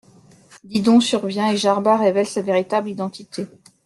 Didon survient, et Jarba révèle sa véritable identité.